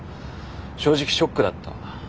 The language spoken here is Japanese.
正直ショックだった。